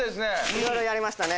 いろいろやりましたね